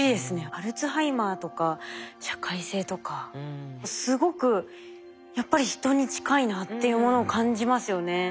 アルツハイマーとか社会性とかすごくやっぱりヒトに近いなっていうものを感じますよね。